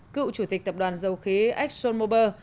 cựu chủ tịch tập đoàn dầu khí exxonmobil